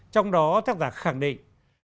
trong đó tác giả khẳng định